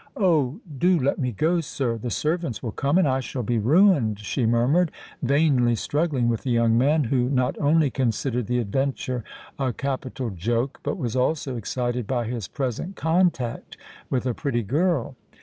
"Oh! do let me go, sir—the servants will come—and I shall be ruined," she murmured, vainly struggling with the young man, who not only considered the adventure a capital joke, but was also excited by his present contact with a pretty girl.